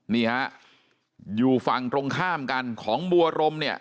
นี่ฮะอยู่ฝั่งตรงข้ามกันของบัวรมเนี่ย